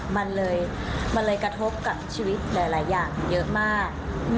มันเลยมันเลยกระทบกับชีวิตหลายอย่างเยอะมาก